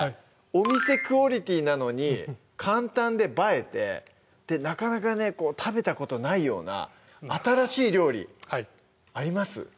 お店クオリティなのに簡単で映えてなかなかね食べたことないような新しい料理あります？